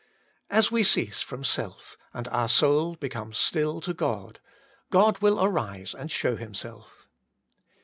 As we cease from self, and our soul be comes still to God, God will arise and show Himself.